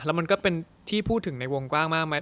แล้วมันก็เป็นที่พูดถึงในวงกว้างมากไหม